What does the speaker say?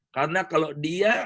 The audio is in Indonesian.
karena kalau dia